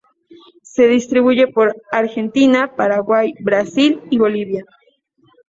Se distribuye por Argentina, Paraguay, Brasil y Bolivia.